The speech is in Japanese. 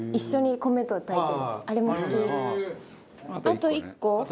あと１個？